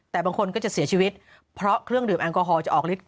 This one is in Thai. แต่บางคนก็จะเสียชีวิตเพราะเครื่องดื่มแอลกอฮอลจะออกฤทธ